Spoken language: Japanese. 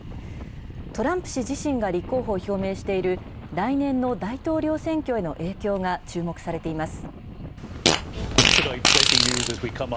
トランプ氏自身が立候補を表明している、来年の大統領選挙への影響が注目されています。